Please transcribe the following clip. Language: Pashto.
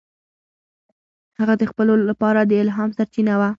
هغه د خلکو لپاره د الهام سرچینه وه.